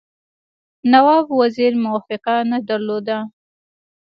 نواب وزیر موافقه نه درلوده.